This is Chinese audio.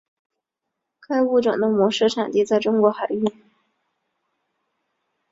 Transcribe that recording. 该物种的模式产地在中国海域。